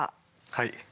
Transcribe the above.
はい。